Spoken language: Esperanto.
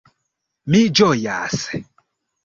Mi ĝojas!